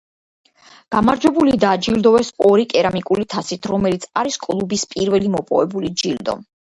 გამარჯვებული დააჯილდოვეს ორი კერამიკული თასით, რომელიც არის კლუბის პირველი მოპოვებული ჯილდო.